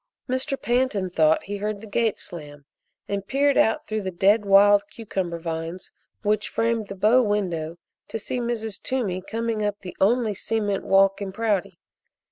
Mr. Pantin thought he heard the gate slam and peered out through the dead wild cucumber vines which framed the bow window to see Mrs. Toomey coming up the only cement walk in Prouty.